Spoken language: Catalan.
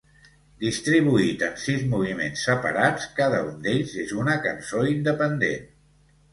Distribuït en sis moviments separats, cada un d'ells és una cançó independent.